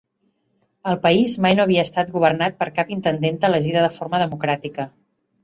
El país mai no havia estat governat per cap intendenta elegida de forma democràtica.